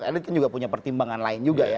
elit kan juga punya pertimbangan lain juga ya